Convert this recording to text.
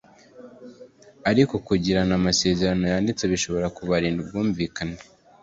Ariko kugirana amasezerano yanditse bishobora kubarinda ubwumvikane